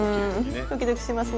うんドキドキしますね。